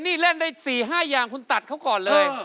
นี่เล่นได้๔๕อย่างคุณตัดเขาก่อนเลย